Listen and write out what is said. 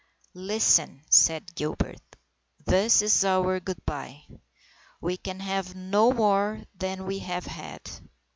" Listen," said Gilbert. " This is our good bye. We can have no more than we have had.